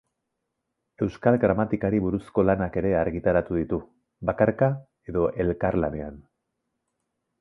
Euskal gramatikari buruzko lanak ere argitaratu ditu, bakarka edo elkarlanean.